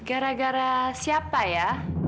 gara gara siapa ya